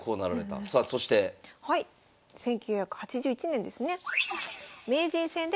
１９８１年ですね。